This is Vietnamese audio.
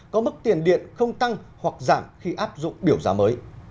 có mức tiền điện không tăng hoặc giảm khi áp dụng biểu giá mới